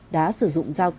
đã sử dụng giao thông tin